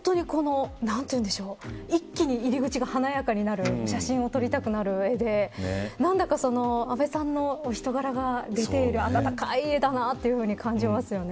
一気に入り口が華やかになる写真も撮りたくなる絵で何だか阿部さんの人柄が出ている暖かい絵だなと感じますよね。